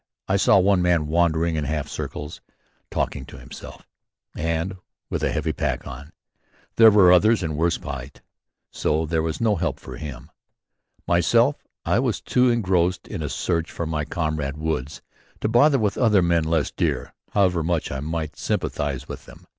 I saw one man wandering in half circles, talking to himself and with a heavy pack on. There were others in worse plight; so there was no help for him. Myself, I was too much engrossed in a search for my comrade Woods to bother with other men less dear, however much I might sympathise with them.